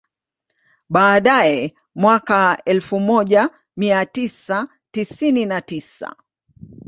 Baadae mwaka elfu moja mia tisa tisini na tisa